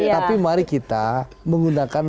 tapi mari kita menggunakan